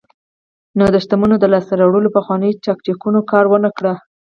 نو د شتمنیو د لاسته راوړلو پخوانیو تاکتیکونو کار ورنکړ.